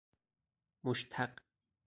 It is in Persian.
مشتق